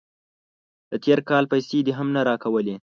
د تیر کال پیسې دې هم نه راکولې.